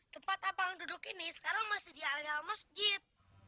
tempat abang duduk ini sekarang masih di areal masjid